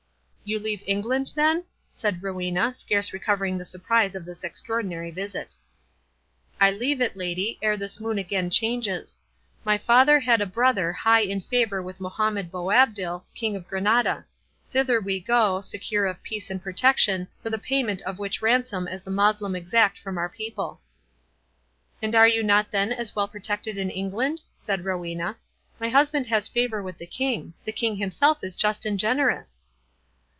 "You leave England then?" said Rowena, scarce recovering the surprise of this extraordinary visit. "I leave it, lady, ere this moon again changes. My father had a brother high in favour with Mohammed Boabdil, King of Grenada—thither we go, secure of peace and protection, for the payment of such ransom as the Moslem exact from our people." "And are you not then as well protected in England?" said Rowena. "My husband has favour with the King—the King himself is just and generous."